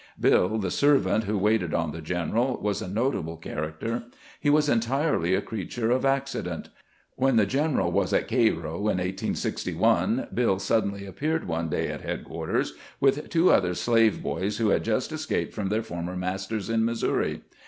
Bill, the servant who waited on the general, was a notable character. He was entirely a creature of acci dent. When the general was at Cairo in 1861, Bill suddenly appeared one day at headquarters with two other slave boys, who had just escaped from their former masters in Missouri.